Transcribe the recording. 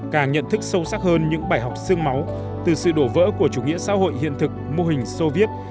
càng nhận thức sâu sắc hơn những bài học sương máu từ sự đổ vỡ của chủ nghĩa xã hội hiện thực mô hình soviet